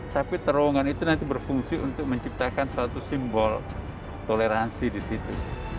tapi terowongan itu nanti berfungsi untuk menciptakan satu simbol toleransi di situ